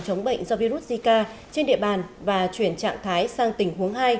chống bệnh do virus zika trên địa bàn và chuyển trạng thái sang tình huống hai